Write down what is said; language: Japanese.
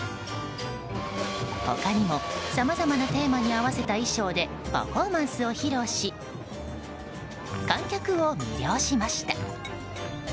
他にもさまざまなテーマに合わせた衣装でパフォーマンスを披露し観客を魅了しました。